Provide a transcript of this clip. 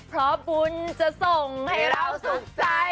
เพราะบุญจะส่งให้เราสุขใจ